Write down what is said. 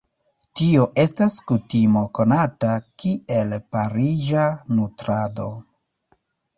Tio estas kutimo konata kiel "pariĝa nutrado".